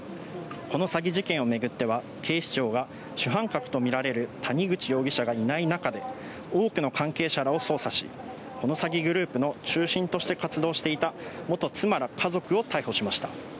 この詐欺事件を巡っては、警視庁が、主犯格と見られる谷口容疑者がいない中で、多くの関係者らを捜査し、この詐欺グループの中心として活動していた元妻ら家族を逮捕しました。